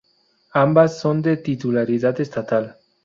Ambas son de titularidad estatal.